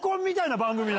番組。